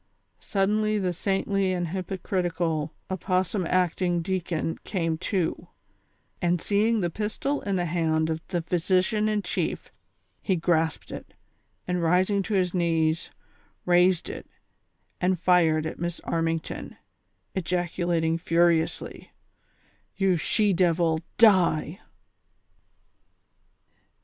Suddenly the saintly and hypocritical, opossum acting deacon came to, and seeing the pistol in the hand of the physician in chief, he grasped it, and, rising to his knees, raised it and fired at Miss Armington, ejaculating furiously: " You she devil, die